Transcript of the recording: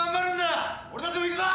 俺たちも行くぞ！